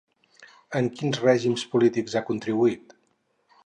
En quins règims polítics ha contribuït?